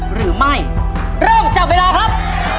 หรือไม่เริ่มจับเวลาครับ